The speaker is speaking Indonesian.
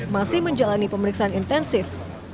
masih menjalani pemeriksaan intensif